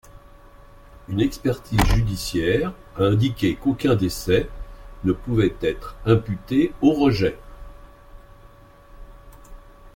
Une expertise judiciaire a indiqué qu'aucun décès ne pouvait être imputé aux rejets.